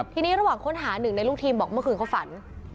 ทีนี้ระหว่างค้นหาหนึ่งในลูกทีมบอกเมื่อคืนเขาฝัน